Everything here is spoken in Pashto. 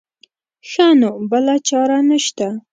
ښه نو بله چاره نه شته.